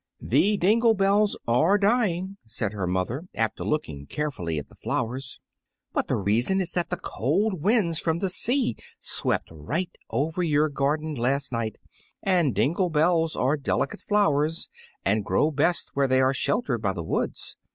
"The dingle bells are dying," said her mother, after looking carefully at the flowers; "but the reason is that the cold winds from the sea swept right over your garden last night, and dingle bells are delicate flowers and grow best where they are sheltered by the woods.